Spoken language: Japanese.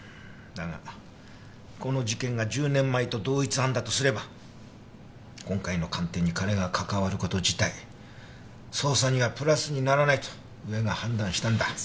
だがこの事件が１０年前と同一犯だとすれば今回の鑑定に彼が関わる事自体捜査にはプラスにならないと上が判断したんだ。